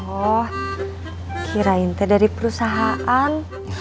oh kirain dari perusahaan